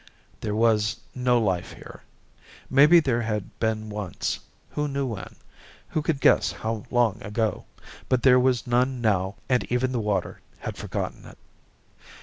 There was no life here. Maybe there had been once, who knew when, who could guess how long ago. But there was none now and even the water had forgotten it.